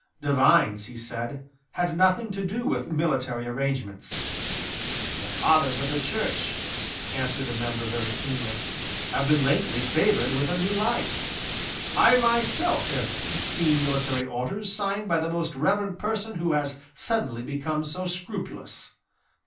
Divines, he said, had nothing to do with military arrangements. "The Fathers of the Church," answered a member very keenly, "have been lately favoured with a new light. I have myself seen military orders signed by the Most Reverend person who has suddenly become so scrupulous.